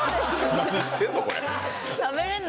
何してんのこれ。